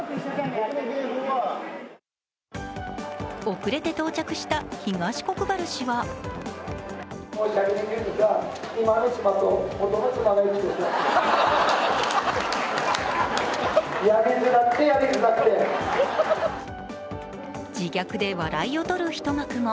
遅れて到着した東国原氏は自虐で笑いを取る一幕も。